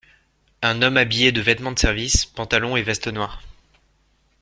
un homme habillé de vêtements de service, pantalon et veste noirs